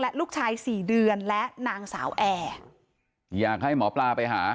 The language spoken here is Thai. และลูกชายสี่เดือนและนางสาวแอร์อยากให้หมอปลาไปหา